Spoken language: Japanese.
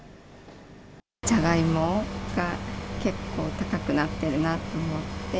ジャガイモが結構高くなってるなと思って。